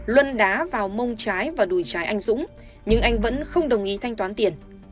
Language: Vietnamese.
luân đá vào mông trái và đùi trái anh dũng nhưng anh vẫn không đồng ý thanh toán tiền